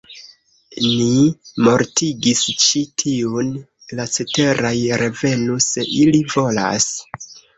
Ni mortigis ĉi tiujn; la ceteraj revenu, se ili volas!